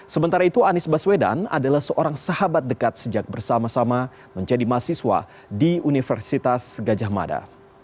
sementara itu anies baswedan adalah seorang sahabat dekat sejak bersama sama menjadi mahasiswa di universitas gajah mada